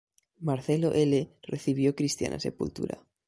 Marcelo L. recibió cristiana sepultura.